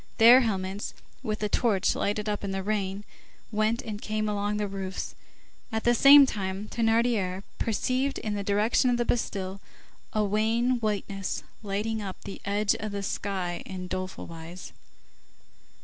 Their helmets, which the torch lighted up in the rain, went and came along the roofs. At the same time, Thénardier perceived in the direction of the Bastille a wan whiteness lighting up the edge of the sky in doleful wise.